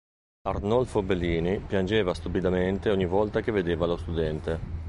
Arnolfo Bellini piangeva stupidamente ogni volta che vedeva lo studente.